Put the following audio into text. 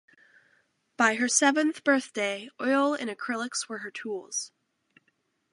By her seventh birthday, oil and acrylics were her tools.